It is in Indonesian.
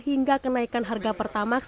hingga kenaikan harga pertamax